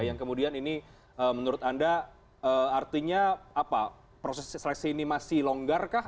yang kemudian ini menurut anda artinya proses seleksi ini masih longgar kah